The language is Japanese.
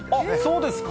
そうですか？